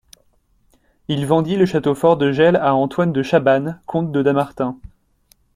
Il vendit le château fort de Gelles à Antoine de Chabannes, comte de Dammartin.